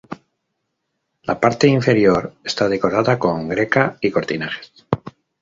La parte inferior está decorada con greca y cortinajes.